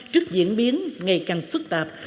trước diễn biến ngày càng phức tạp